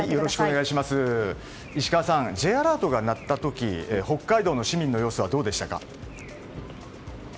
石川さん、Ｊアラートが鳴った時、北海道の市民の様子はどうでしたか？